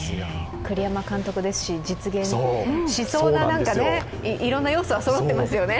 栗山監督ですし、実現しそうな、いろんな要素はそろってますよね。